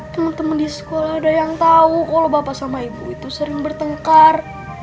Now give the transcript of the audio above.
teman teman di sekolah ada yang tahu kalau bapak sama ibu itu sering bertengkar